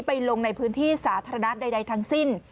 ลงในพื้นที่สาธารณะใดทั้งสิ้น